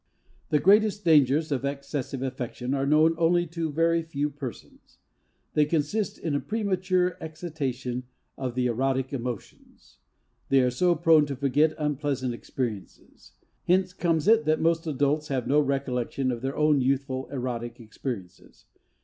The greatest dangers of excessive affection are known to only very few persons. They consist in a premature excitation of the erotic emotions. We are so prone to forget unpleasant experiences. Hence comes it that most adults have no recollection of their own youthful erotic experiences.